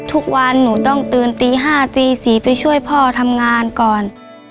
ทุกวันหนูต้องตื่นตี๕ตี๔ไปช่วยพ่อทำงานก่อน